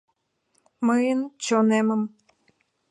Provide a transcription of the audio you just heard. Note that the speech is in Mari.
Мыйын чонемым